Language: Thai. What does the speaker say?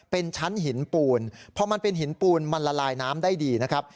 เป็นชั้นหินปูนพอมันเป็นหินปูนมันละลายน้ำได้ดีนะครับ